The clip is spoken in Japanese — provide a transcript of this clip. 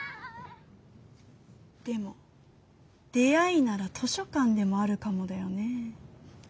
でも出会いなら図書館でもあるかもだよね。